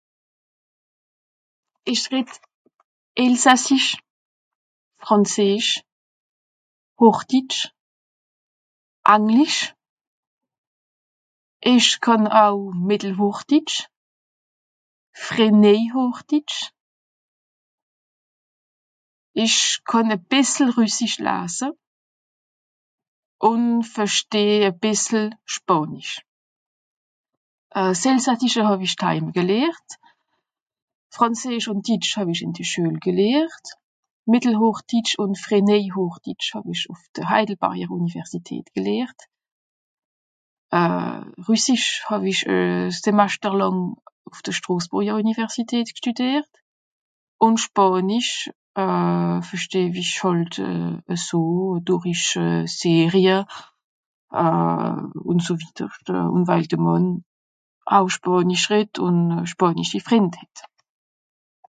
esch ret elsassisch frànseesch hòchditsch anglisch esch kànn auw à bìssel hòchditsch fréneijhochditsch esch kànn à bìssel rüssisch lasse ùn verstehe à bìssel spànisch euh s'elsassische hàw'isch t'aime gelehrt frànseesch ùn ditsch hàw'isch ìn schuel gelehrt mittelhochditsch ùn frréneijhochditsch hàw'isch ùff de heidelbarie universität gelehrt euh rüssisch hàw'isch semaster làng ùff de stràsbùri universität g'stùdiert ùn spànisch euh verstehw'isch hàlt a so dorisch euh série euh ùn so widerscht ùn weil de mann aw spànisch ret ùn spànischi frìnd hett